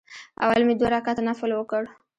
اول مې دوه رکعته نفل وکړ.